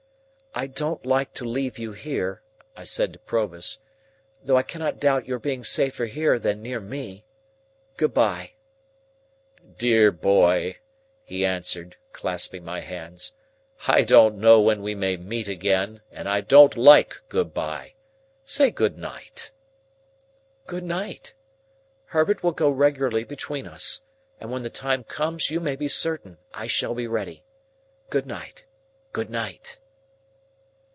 "I don't like to leave you here," I said to Provis, "though I cannot doubt your being safer here than near me. Good bye!" "Dear boy," he answered, clasping my hands, "I don't know when we may meet again, and I don't like good bye. Say good night!" "Good night! Herbert will go regularly between us, and when the time comes you may be certain I shall be ready. Good night, good night!"